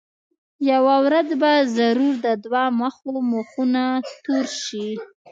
یوه ورځ به ضرور د دوه مخو مخونه تور شي.